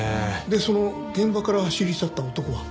でその現場から走り去った男は？